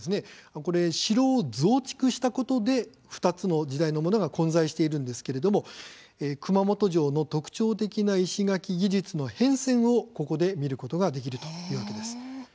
城を増築したことで２つの時代のものが混在しているんですけれども熊本城の特徴的な石垣技術の変遷をここで見ることができるというわけです。